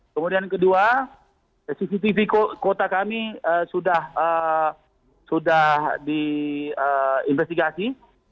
kemudian kedua cctv kuota kami sudah diinvestigasi